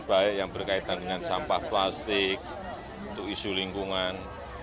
baik yang berkaitan dengan sampah plastik untuk isu lingkungan